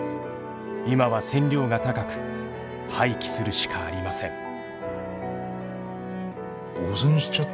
今は線量が高く廃棄するしかありません。